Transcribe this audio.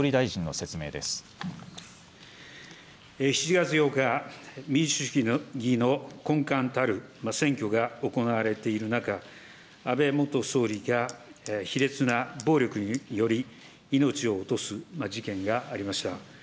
７月８日、民主主義の根幹たる選挙が行われている中、安倍元総理が卑劣な暴力により、命を落とす事件がありました。